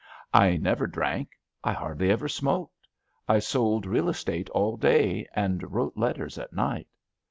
I never drank, 'I hardly ever smoked, I sold real estate* all day, and wrote letters at night.